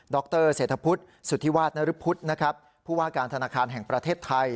รเศรษฐพุทธสุธิวาสนรพุทธนะครับผู้ว่าการธนาคารแห่งประเทศไทย